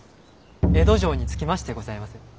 江戸城に着きましてございます。